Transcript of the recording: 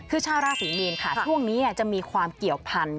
คือชาวราศรีมีนค่ะช่วงนี้จะมีความเกี่ยวพันธุ